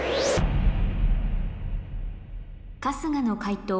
春日の解答